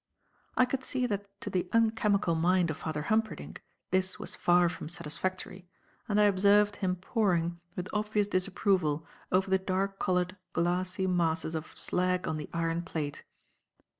I could see that to the unchemical mind of Father Humperdinck, this was far from satisfactory, and I observed him poring, with obvious disapproval, over the dark coloured, glassy masses of slag on the iron plate.